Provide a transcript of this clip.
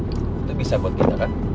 itu bisa buat kita kan